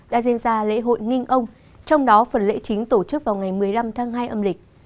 lễ hội nghinh ông trong đó phần lễ chính tổ chức vào ngày một mươi năm tháng hai âm lịch